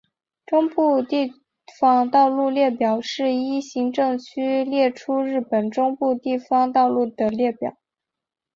中部地方道路列表是依行政区列出日本中部地方道路的列表。